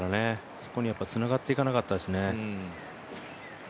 そこにつながっていかなかったですね。